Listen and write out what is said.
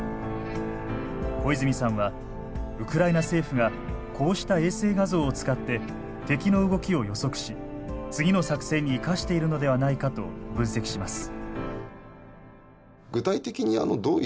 小泉さんはウクライナ政府がこうした衛星画像を使って敵の動きを予測し次の作戦に生かしているのではないかと分析します。